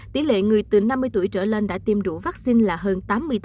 tỷ lệ người từ năm mươi tuổi trở lên đã tiêm đủ vaccine là hơn tám mươi tám